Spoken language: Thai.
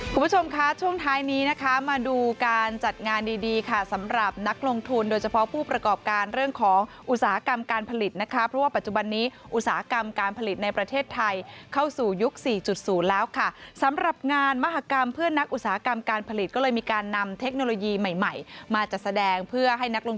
คุณผู้ชมคะช่วงท้ายนี้นะคะมาดูการจัดงานดีดีค่ะสำหรับนักลงทุนโดยเฉพาะผู้ประกอบการเรื่องของอุตสาหกรรมการผลิตนะคะเพราะว่าปัจจุบันนี้อุตสาหกรรมการผลิตในประเทศไทยเข้าสู่ยุค๔๐แล้วค่ะสำหรับงานมหากรรมเพื่อนนักอุตสาหกรรมการผลิตก็เลยมีการนำเทคโนโลยีใหม่ใหม่มาจัดแสดงเพื่อให้นักลง